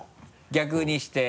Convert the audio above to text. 逆にして。